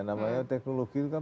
namanya teknologi itu kan